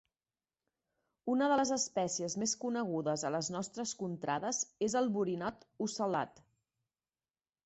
Una de les espècies més conegudes a les nostres contrades és el borinot ocel·lat.